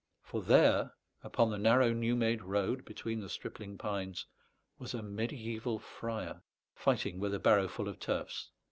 For there, upon the narrow new made road, between the stripling pines, was a mediæval friar, fighting with a barrowful of turfs.